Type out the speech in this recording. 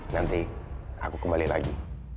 nanti aku kembali lagi